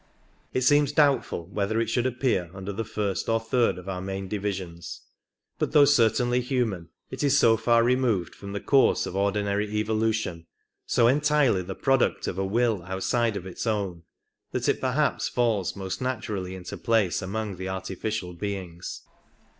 It seems doubtful whether it should appear under the first or third of our main divisions ; but, though certainly human, it is so far removed from the course of ordinary evolution, so entirely the pro duct of a will outside of its own, that it perhaps falls most naturally into place among the artificial beings.